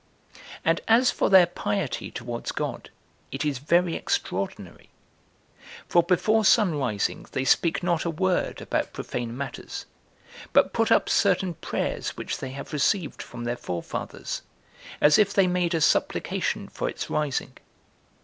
5. And as for their piety towards God, it is very extraordinary; for before sun rising they speak not a word about profane matters, but put up certain prayers which they have received from their forefathers, as if they made a supplication for its rising.